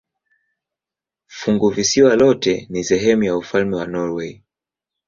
Funguvisiwa lote ni sehemu ya ufalme wa Norwei.